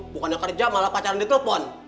bukannya kerja malah pacaran ditelepon